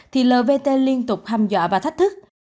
thì lvt liên tục ham dọa và thách thức